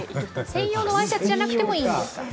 専用のワイシャツじゃなくてもいいんですか？